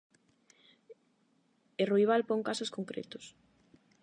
E Ruibal pon casos concretos.